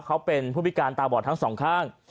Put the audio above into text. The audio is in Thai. เขาเป็นผู้พิการตาบอดทั้งสองข้าง